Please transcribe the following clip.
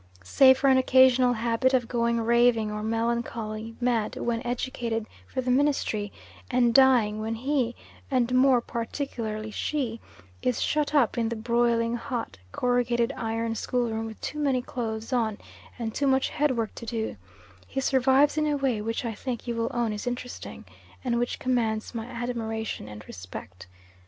Save for an occasional habit of going raving or melancholy mad when educated for the ministry, and dying when he, and more particularly she, is shut up in the broiling hot, corrugated iron school room with too many clothes on, and too much headwork to do, he survives in a way which I think you will own is interesting, and which commands my admiration and respect.